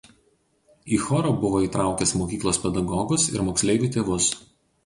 Į chorą buvo įtraukęs mokyklos pedagogus ir moksleivių tėvus.